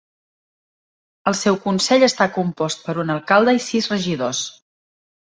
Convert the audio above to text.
El seu consell està compost per un alcalde i sis regidors.